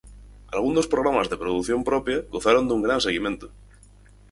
Algúns dos programas de produción propia gozaron dun gran seguimento.